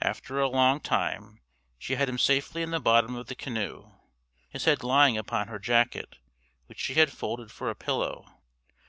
After a long time she had him safely in the bottom of the canoe, his head lying upon her jacket which she had folded for a pillow.